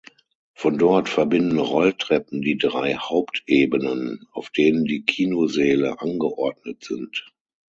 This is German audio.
Von dort verbinden Rolltreppen die drei Hauptebenen, auf denen die Kinosäle angeordnet sind.